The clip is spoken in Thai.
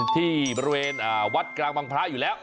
ที่บริเวณวัดกลางบางพระอยู่แล้ว